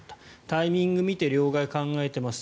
タイミングを見て両替を考えています